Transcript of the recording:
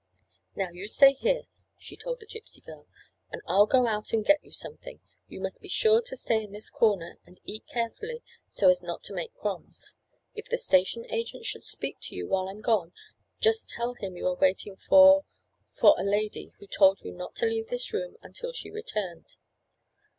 "Now you stay here," she told the Gypsy girl, "and I'll go out and get you something. You must be sure to stay in this corner, and eat carefully so as not to make crumbs. If the station agent should speak to you while I'm gone, just tell him you are waiting for—for a lady, who told you not to leave this room until she returned."